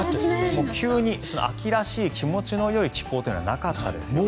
急に秋らしい気持ちのいい気候というのはなかったですね。